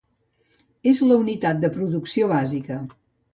És la unitat de producció bàsica.